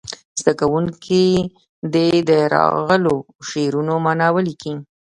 زده کوونکي دې د راغلو شعرونو معنا ولیکي.